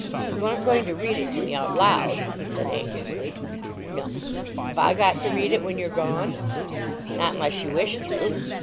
"You aren't going to read it to me out loud?" he said anxiously. "No." "Have I got to read it when you're gone?" "Not unless you wish to."